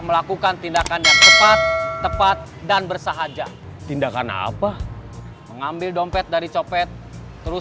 melakukan tindakan yang cepat tepat dan bersahaja tindakan apa mengambil dompet dari copet terus